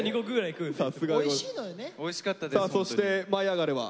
さあそして「舞いあがれ！」は？